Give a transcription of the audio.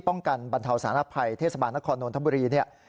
บรรเทาสารภัยเทศบาลนครนนทบุรีเนี่ย